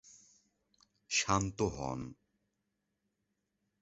শান্ত হন।